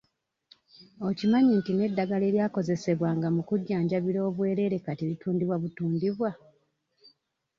Okimanyi nti n'eddagala eryakozesebwanga mu kujjanjabira obwereere kati litundibwa butundibwa?